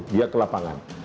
dia ke lapangan